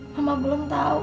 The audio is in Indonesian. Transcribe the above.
mama belum tahu